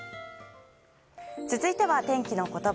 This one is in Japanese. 続いては、天気のことば。